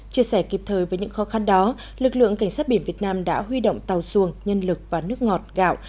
chia sẻ kịp thời với những khó khăn đó lực lượng cảnh sát biển việt nam đã huy động tàu xuồng nhân lực và nước ngọt gạo